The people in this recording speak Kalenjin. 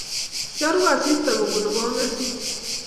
choru asista kobunu kong'asis